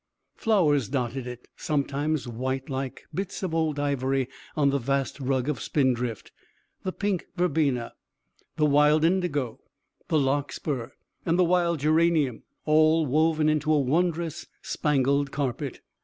Flowers dotted it, sometimes white like bits of old ivory on the vast rug of spindrift the pink verbena, the wild indigo, the larkspur and the wild geranium all woven into a wondrous spangled carpet.